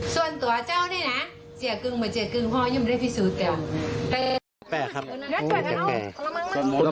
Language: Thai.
ส่วนตัวเจ้านี่นะเที้ยกึงไปเที้ยกึงพ่อยุ่มได้ภิสูจน์ก็